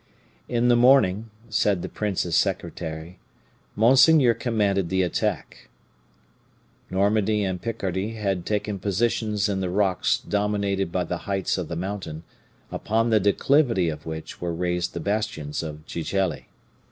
"In the morning," said the prince's secretary, "monseigneur commanded the attack. Normandy and Picardy had taken positions in the rocks dominated by the heights of the mountain, upon the declivity of which were raised the bastions of Gigelli.